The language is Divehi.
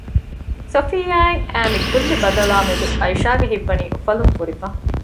ސޮފިއްޔާއަށް އައި މިކުއްލި ބަދަލާމެދު އައިޝާގެ ހިތްވަނީ އުފަލުން ފުރިފަ